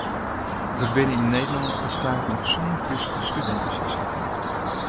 Der binne yn Nederlân op it stuit noch sân Fryske studinteselskippen.